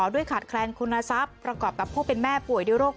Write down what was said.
ด้วยขาดแคลนคุณทรัพย์ประกอบกับผู้เป็นแม่ปว่าอินระบะ